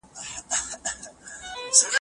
لاهور کې زلزله ده، د ایپي فقیر له برمه